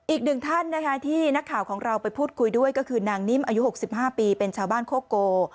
อีกหนึ่งท่านนะคะที่นักข่าวของเราไปพูดคุยด้วยก็คือนางนิ่มอายุ๖๕ปีเป็นชาวบ้านโคโก